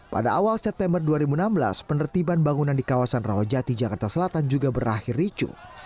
pada awal september dua ribu enam belas penertiban bangunan di kawasan rawajati jakarta selatan juga berakhir ricu